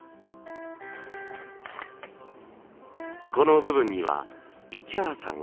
この部分には市原さん